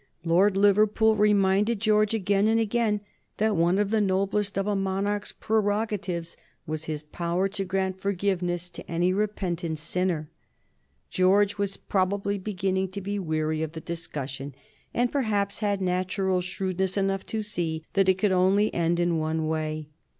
Lord Liverpool reminded George again and again that one of the noblest of a monarch's prerogatives was his power to grant forgiveness to any repentant sinner. George was probably beginning to be weary of the discussion, and perhaps had natural shrewdness enough to see that it could only end in one way.